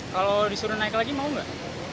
kalau disuruh naik lagi mau nggak